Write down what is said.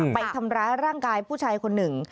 ไปทำร้ายร่างกายผู้ชายคนหนึ่ง